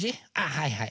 はいはい。